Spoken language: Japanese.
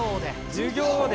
授業で。